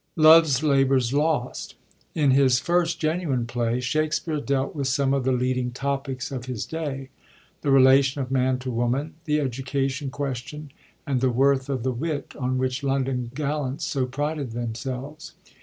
Love's Labour's Lost.— In his first genuine play, Shakspere dealt with some of the leading topics of his day— the relation of man to woman, the education question, and the worth of the wit on which London gallants so prided themselves.